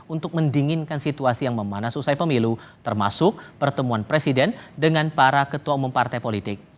untuk mendinginkan situasi yang memanas usai pemilu termasuk pertemuan presiden dengan para ketua umum partai politik